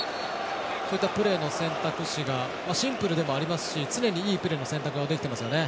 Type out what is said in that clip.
そういったプレーの選択肢がシンプルでもありますし常にいいプレーの選択ができていますよね。